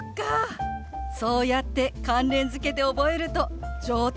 そうやって関連づけて覚えると上達も早いわよね！